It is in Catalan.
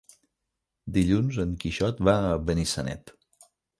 Dilluns en Quixot va a Benissanet.